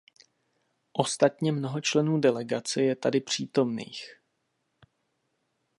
Ostatně mnoho členů delegace je tady přítomných.